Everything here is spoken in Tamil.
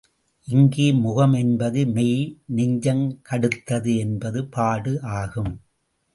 இங்கே முகம் என்பது மெய் நெஞ்சம் கடுத்தது என்பது பாடு ஆகும்.